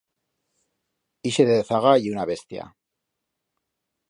Ixe de dezaga ye una bestia.